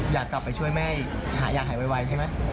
อยากกลับไปช่วยแม่อยากหายไวใช่ไหม